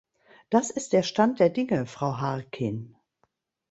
Das ist der Stand der Dinge, Frau Harkin.